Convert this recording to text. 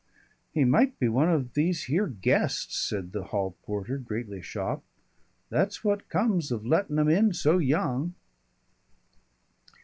"He might be one of these here guests," said the hall porter, greatly shocked. "That's what comes of lettin' 'em in so young."